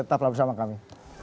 tetap bersama kami